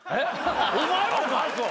お前もか？